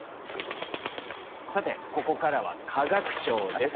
さてここからは化学賞です。